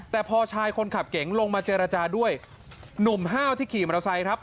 แต่พอชายคนขับเก๋งลงมาเจรจาด้วยหนุ่มห้าวที่ขี่มอเตอร์ไซค์ครับ